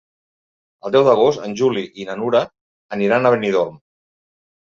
El deu d'agost en Juli i na Nura aniran a Benidorm.